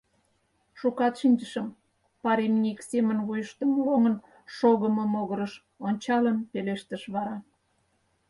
— Шукат шинчышым, — пар имне ик семын вуйыштым лоҥын шогымо могырыш ончалын пелештыш вара.